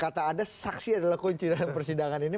kata anda saksi adalah kunci dalam persidangan ini